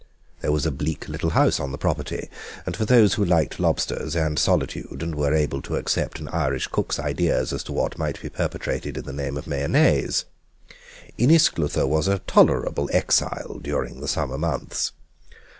There was a bleak little house on the property, and for those who liked lobsters and solitude, and were able to accept an Irish cook's ideas as to what might be perpetrated in the name of mayonnaise, Innisgluther was a tolerable exile during the summer months.